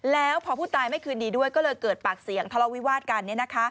แล้วพอผู้ตายไม่คืนดีด้วยก็เลยเกิดปากเสียงทะเลาวิวาสกัน